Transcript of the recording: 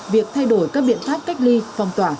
việc thay đổi các biện pháp cách ly phong tỏa